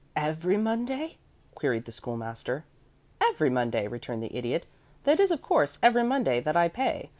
"Every Monday?" queried the School master. "Every Monday," returned the Idiot. "That is, of course, every Monday that I pay.